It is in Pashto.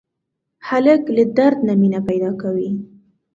هلک له درد نه مینه پیدا کوي.